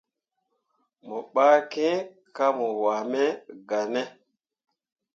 Mo ɓah kiŋ ko mo waaneml gah ne.